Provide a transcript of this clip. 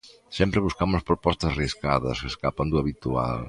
Sempre buscamos propostas arriscadas, que escapan do habitual.